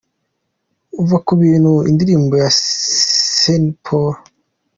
"Va Ku Bintu" indirimbo ya Seanpo-A:.